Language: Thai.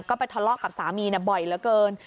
ก็ไปทะเลาะกับสามีบ่อยเหลือเกิน